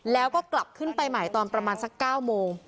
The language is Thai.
แล้วก็กลับขึ้นไปใหม่ตอนประมาณสัก๙โมง